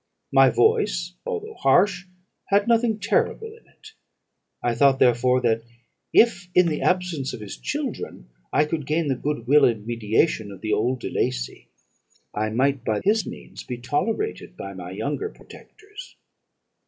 My voice, although harsh, had nothing terrible in it; I thought, therefore, that if, in the absence of his children, I could gain the good will and mediation of the old De Lacey, I might, by his means, be tolerated by my younger protectors.